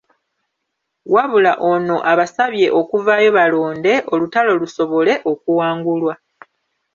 Wabula ono abasabye okuvaayo balonde, olutalo lusobole okuwangulwa.